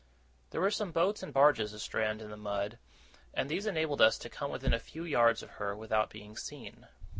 There were some boats and barges astrand in the mud, and these enabled us to come within a few yards of her without being seen.